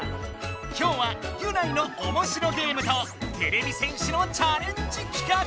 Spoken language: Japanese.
今日はギュナイのおもしろゲームとてれび戦士のチャレンジきかく！